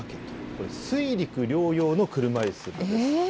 これ、水陸両用の車いすなんです。